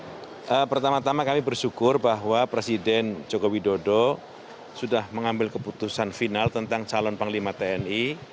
ya pertama tama kami bersyukur bahwa presiden joko widodo sudah mengambil keputusan final tentang calon panglima tni